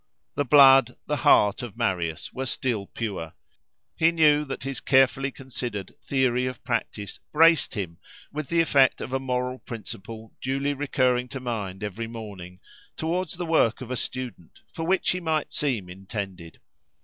The blood, the heart, of Marius were still pure. He knew that his carefully considered theory of practice braced him, with the effect of a moral principle duly recurring to mind every morning, towards the work of a student, for which he might seem intended.